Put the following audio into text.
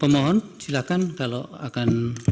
pemohon silakan kalau akan